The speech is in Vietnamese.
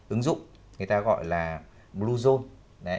ứng dụng người ta gọi là bluezone